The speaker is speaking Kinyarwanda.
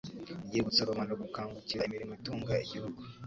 ryibutsa rubanda gukangukira imirimo itunga igihugu.